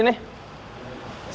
udah bang udah habis ini